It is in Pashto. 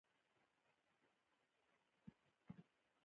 چیرې څې؟